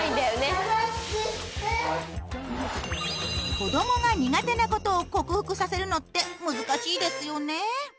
子どもが苦手な事を克服させるのって難しいですよね。